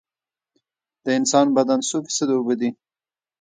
د انسان بدن څو فیصده اوبه دي؟